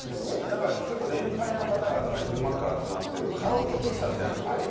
なんか結構年配の方々が昼間っから集まってるカラオケ喫茶みたいなとこあるじゃない。